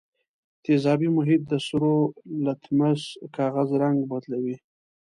تیزابي محیط د سرو لتمس کاغذ رنګ بدلوي.